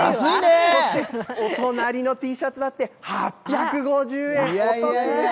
そして、お隣のＴシャツだって８５０円、お得です。